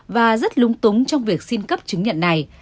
và rất lung túng trong việc xin cấp chứng nhận này